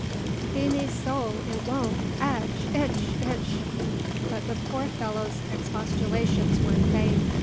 be me sowl it won't atch itch hitch!" But the poor fellow's expostulations were in vain.